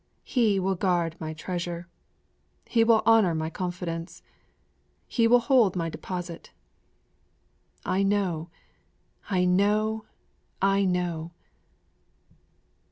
_' He will guard my treasure! He will honor my confidence! He will hold my deposit! _I know! I know! I know!